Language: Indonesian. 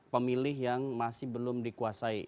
pemilih yang masih belum dikuasai